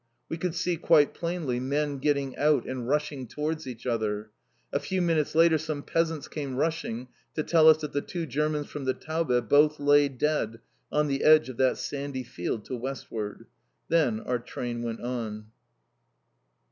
We could see quite plainly men getting out and rushing towards each other. A few minutes later some peasants came rushing to tell us that the two Germans from the Taube both lay dead on the edge of that sandy field to westward. Then our train went on.